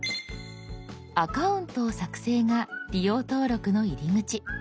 「アカウントを作成」が利用登録の入り口。